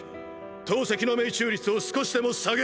投石の命中率を少しでも下げる！！